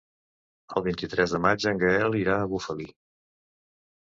El vint-i-tres de maig en Gaël irà a Bufali.